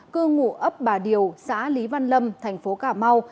cư ngụ ấp bà điều xã lý văn lâm thành phố cà mau